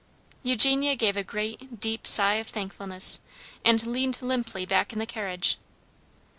Eugenia gave a great, deep sigh of thankfulness, and leaned limply back in the carriage.